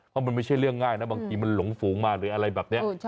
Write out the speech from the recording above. เพราะมันไม่ใช่เรื่องง่ายนะบางทีมันหลงฝูงมาหรืออะไรแบบนี้